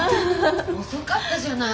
遅かったじゃない。